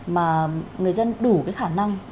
mà người dân đủ cái khả năng